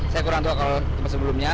saya kurang tua kalau tempat sebelumnya